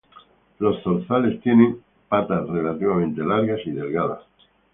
Los zorzales tienen patas relativamente largas y delgadas.